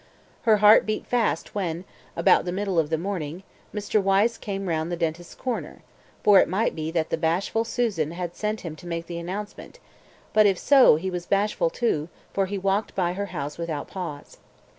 Her heart beat fast when, about the middle of the morning, Mr. Wyse came round the dentist's corner, for it might be that the bashful Susan had sent him to make the announcement, but, if so, he was bashful too, for he walked by her house without pause.